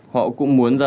họ cũng muốn ra sân